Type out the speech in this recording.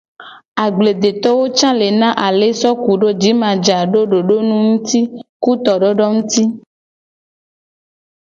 Agbledetowo ca le na ale so kudo jimajaja do dodonu nguti ku tododowo nguti.